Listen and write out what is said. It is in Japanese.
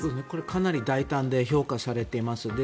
これはかなり大胆で評価されています。